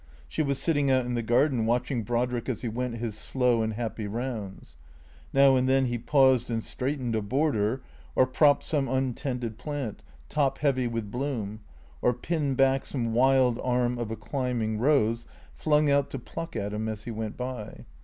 She was sitting out in the garden, watching Brodrick as he went his slow and happy rounds. Now and then he paused and straightened a border, or propped some untended plant, top heavy with bloom, or pinned back some wild arm of a climb ing rose flung out to pluck at him as he went by.